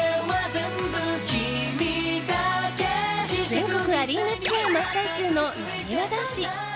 全国アリーナツアー真っ最中のなにわ男子。